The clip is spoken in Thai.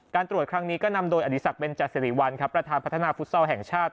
การตรวจครั้งนี้ก็นำโดยอัธิษฐกเป็นจาศรีวันครับประธานพัฒนภูศาลแห่งชาติ